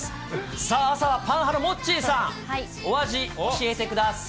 さあさあ、パン派のモッチーさん、お味、教えてください。